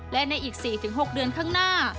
และในอีก๔๖เดือนข้างหน้า